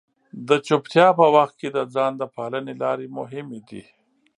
د چپتیا په وخت کې د ځان د پالنې لارې مهمې دي.